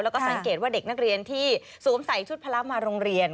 แล้วก็สังเกตว่าเด็กนักเรียนที่สวมใส่ชุดพละมาโรงเรียน